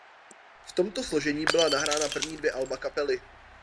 V tomto složení byla nahrána první dvě alba kapely.